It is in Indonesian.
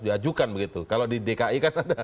diajukan begitu kalau di dki kan ada